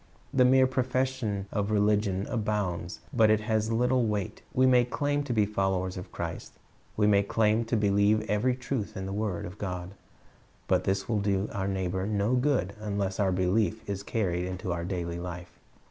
The mere profession of religion abounds, but it has little weight. We may claim to be followers of Christ, we may claim to believe every truth in the word of God; but this will do our neighbor no good unless our belief is carried into our daily life.